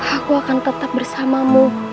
aku akan tetap bersamamu